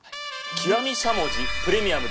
極しゃもじプレミアム？